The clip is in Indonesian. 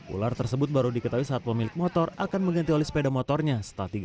ular tersebut baru diketahui saat pemilik motor akan mengganti oleh sepeda motornya setelah tiga